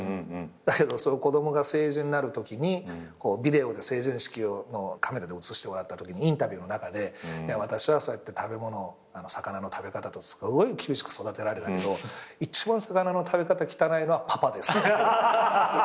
だけど子供が成人になるときにビデオで成人式をカメラで映してもらったときインタビューの中で私はそうやって食べ物魚の食べ方すごい厳しく育てられたけど一番魚の食べ方汚いのはパパですって。